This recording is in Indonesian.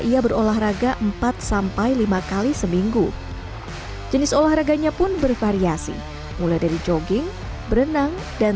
ia berolahraga empat sampai lima kali seminggu jenis olahraganya pun bervariasi mulai dari jogging berenang dan